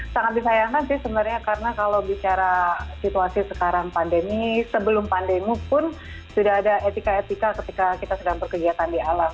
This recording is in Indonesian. sangat disayangkan sih sebenarnya karena kalau bicara situasi sekarang pandemi sebelum pandemi pun sudah ada etika etika ketika kita sedang berkegiatan di alam